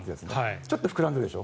ちょっと膨らんでるでしょ。